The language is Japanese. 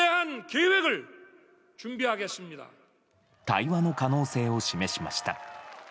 対話の可能性を示しました。